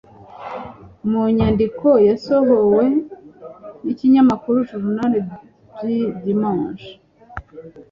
mu nyandiko yasohowe n’ikinyamakuru Journal du Dimanche